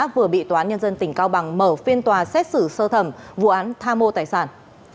vừa bị tòa án nhân dân tỉnh cao bằng mở phiên tòa xét xử sơ thẩm vụ án tha mô tài sản